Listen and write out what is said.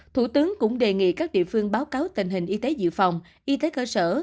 thủ tướng cũng đề nghị các địa phương báo cáo tình hình y tế dự phòng y tế cơ sở